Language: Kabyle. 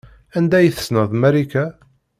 Anda ay tessneḍ Marika?